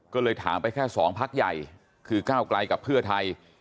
ก็เลยถามไปแค่๒พักใหญ่คือก้าวไกลกับเพื่อไทย